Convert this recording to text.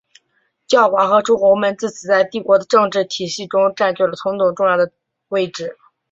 教皇和诸侯们自此在帝国的政治体系中占据了同等重要的位置。